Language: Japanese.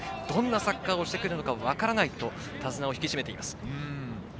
どんなサッカーをしてくるのか分からないと手綱を引き締めています。